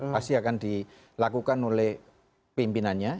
pasti akan dilakukan oleh pimpinannya